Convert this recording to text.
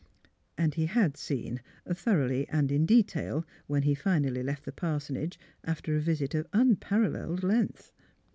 " And he had seen, thoroughly and in detail, when he finally left the parsonage, after a visit of un paralleled length.